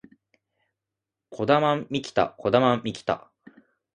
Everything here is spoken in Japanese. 児玉幹太児玉幹太